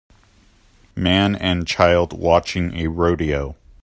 Man and child watching a rodeo.